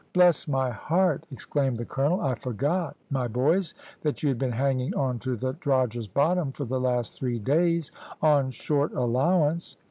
"`Bless my heart,' exclaimed the colonel, `I forgot, my boys, that you had been hanging on to the drogher's bottom for the last three days, on short allowance.'